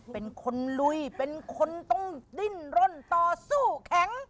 เป็นคนลุยเป็นคนต้องดิ้นร่นต่อสู้แข็ง